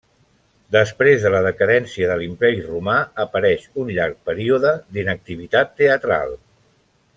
Després de la decadència de l'imperi Romà apareix un llarg període d'inactivitat teatral.